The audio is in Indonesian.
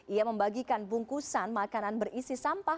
ia membagikan bungkusan makanan berisi sampah